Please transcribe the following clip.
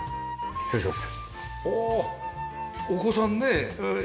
失礼します。